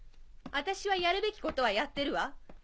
私はやるべきことはやってるわ。